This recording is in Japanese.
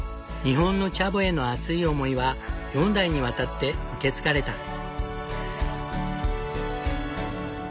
日本のチャボへの熱い思いは４代にわたって受け継がれた。